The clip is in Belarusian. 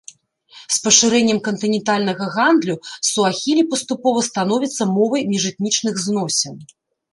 З пашырэннем кантынентальнага гандлю суахілі паступова становіцца мовай міжэтнічных зносін.